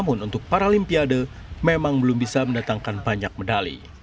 olimpiade memang belum bisa mendatangkan banyak medali